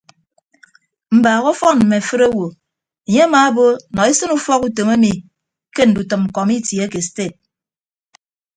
Mbaak ọfọn mme afịt owo enye amaabo nọ esịn ufọkutom emi ke ndutʌm kọmiti ake sted.